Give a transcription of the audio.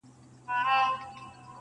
• مور بې حاله کيږي ناڅاپه..